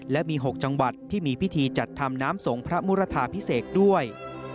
และมี๖จังหวัดที่มีพิธีจัดทำน้ำสงฆ์พระมุรทาพิเศษด้วย